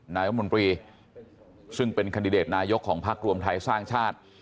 นายรัฐมนตรีซึ่งเป็นคันดิเดตนายกของพักรวมไทยสร้างชาติ